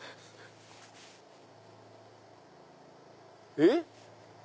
えっ？